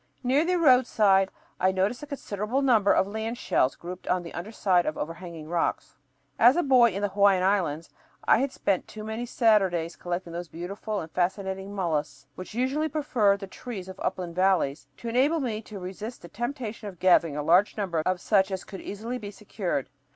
Near the roadside I noticed a considerable number of land shells grouped on the under side of overhanging rocks. As a boy in the Hawaiian Islands I had spent too many Saturdays collecting those beautiful and fascinating mollusks, which usually prefer the trees of upland valleys, to enable me to resist the temptation of gathering a large number of such as could easily be secured.